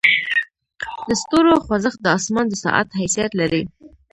د ستورو خوځښت د اسمان د ساعت حیثیت لري.